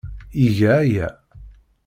Iga aya.